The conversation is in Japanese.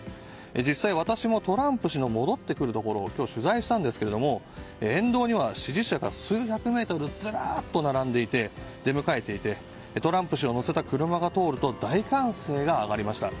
実際、私もトランプ氏の戻ってくるところを今日取材したんですが沿道には支持者が数百メートルずらっと並んでいて出迎えていてトランプ氏を乗せた車が通ると大歓声が上がりました。